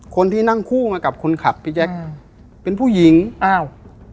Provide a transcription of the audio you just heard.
คนที่นั่งคู่มากับคนขับพี่แจ๊คอืมเป็นผู้หญิงอ้าว